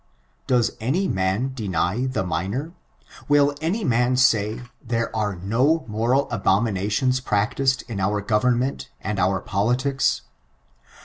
Does any man deny the minor} 'Will any roan say, there are no moral abominations practiced in our government and our politics